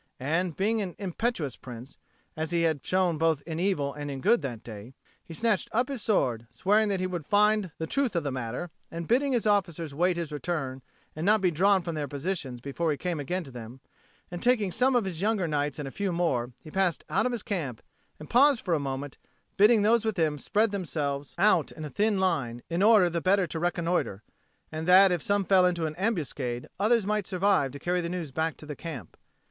And, being an impetuous Prince, as he had shown both in evil and in good that day, he snatched up his sword, swearing that he would find the truth of the matter, and bidding his officers wait his return and not be drawn from their position before he came again to them; and taking some of his younger knights and a few more, he passed out of his camp, and paused for a moment, bidding those with him spread themselves out in a thin line, in order the better to reconnoitre, and that, if some fell into an ambuscade, others might survive to carry the news back to the camp.